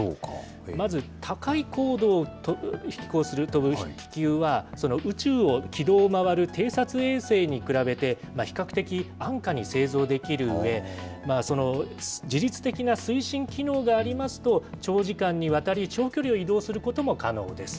まず高い高度を飛行する、飛ぶ気球は、宇宙の軌道を回る偵察衛星に比べて、比較的安価に製造できるうえ、自律的な推進機能がありますと、長時間にわたり、長距離を移動することも可能です。